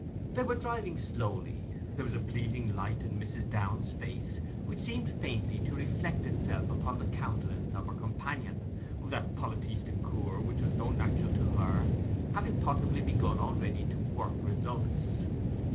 They were driving slowly; there was a pleasing light in Mrs. Downe's face, which seemed faintly to reflect itself upon the countenance of her companion—that politesse du coeur which was so natural to her having possibly begun already to work results.